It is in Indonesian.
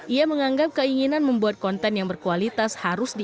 ia menganggap keinginan membuat konten hiburan yang berkualitas di indonesia